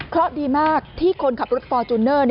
เพราะดีมากที่คนขับรถฟอร์จูเนอร์